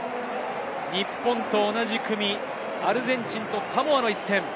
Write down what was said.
日本と同じ組、アルゼンチンとサモアの一戦。